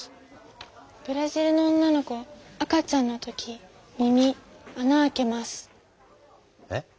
ブラジルの女の子赤ちゃんの時耳あな開けます。え？